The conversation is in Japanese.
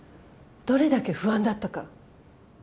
どれだけ不安だったか。